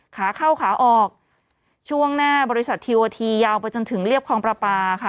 ขาเข้าขาออกช่วงหน้าบริษัททีโอทียาวไปจนถึงเรียบคลองประปาค่ะ